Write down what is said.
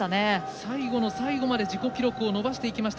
最後の最後まで自己記録を伸ばしていきました。